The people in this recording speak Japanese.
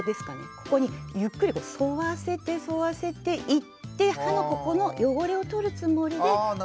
ここにゆっくり沿わせて沿わせていって歯のここの汚れをとるつもりでくる。